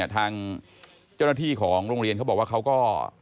ทางเจ้าหน้าที่ของโรงเรียนเขาบอกว่าเขาก็